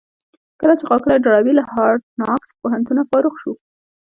کله چې ښاغلی ډاربي له هارډ ناکس پوهنتونه فارغ شو.